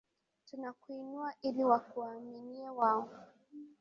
Tunakuinua ili wakuaminie wao.